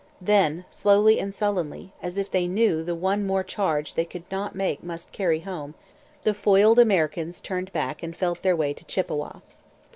Then, slowly and sullenly, as if they knew the one more charge they could not make must carry home, the foiled Americans turned back and felt their way to Chippawa.